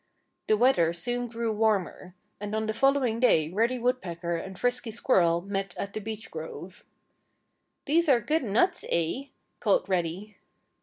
The weather soon grew warmer. And on the following day Reddy Woodpecker and Frisky Squirrel met at the beech grove. "These are good nuts, eh?" called Reddy.